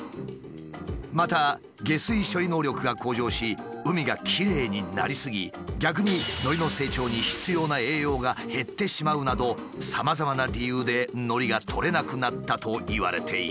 また下水処理能力が向上し海がきれいになりすぎ逆にのりの成長に必要な栄養が減ってしまうなどさまざまな理由でのりが取れなくなったといわれている。